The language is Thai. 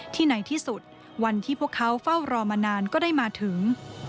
ในที่สุดวันที่พวกเขาเฝ้ารอมานานก็ได้มาถึง